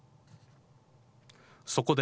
そこで、